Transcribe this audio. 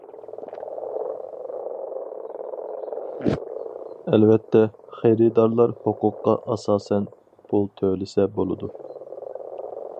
ئەلۋەتتە، خېرىدارلار ھوقۇققا ئاساسەن پۇل تۆلىسە بولىدۇ.